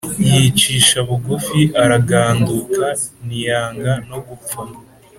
Yicisha bugufi araganduka ntiyanga no gupfa